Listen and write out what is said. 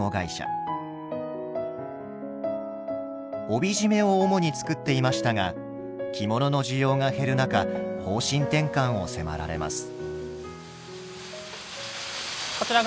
帯締めを主に作っていましたが着物の需要が減る中方針転換を迫られます。